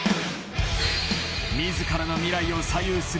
自らの未来を左右する